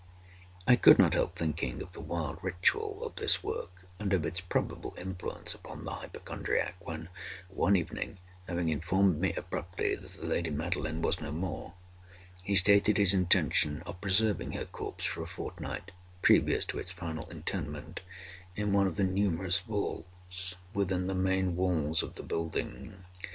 I could not help thinking of the wild ritual of this work, and of its probable influence upon the hypochondriac, when, one evening, having informed me abruptly that the lady Madeline was no more, he stated his intention of preserving her corpse for a fortnight, (previously to its final interment,) in one of the numerous vaults within the main walls of the building.